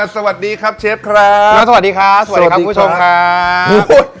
สวัสดีครับเชฟครับแล้วสวัสดีครับสวัสดีครับคุณผู้ชมครับ